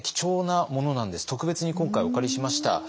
特別に今回お借りしました。